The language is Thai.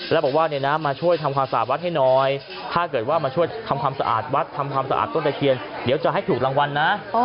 แล้วบอกว่ามาช่วยทำความสะอาดวัดให้น้อยถ้าเกิดว่ามาช่วยทำความสะอาดวัดทำความสะอาดต้นตะเคียนเดี๋ยวจะให้ถูกรางวัลนะ